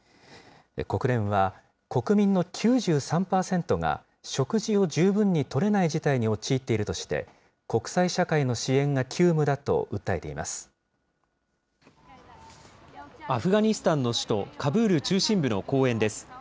国連は、国民の９３％が食事を十分にとれない事態に陥っているとして、国際社会の支援が急務だとアフガニスタンの首都カブール中心部の公園です。